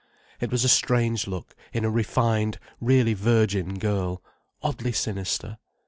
It was a strange look in a refined, really virgin girl—oddly sinister.